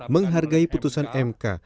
menghargai putusan mk